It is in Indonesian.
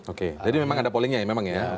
oke jadi memang ada pollingnya ya